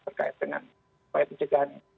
terkait dengan upaya pencegahan